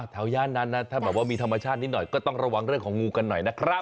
ย่านนั้นนะถ้าแบบว่ามีธรรมชาตินิดหน่อยก็ต้องระวังเรื่องของงูกันหน่อยนะครับ